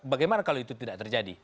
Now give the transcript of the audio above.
bagaimana kalau itu tidak terjadi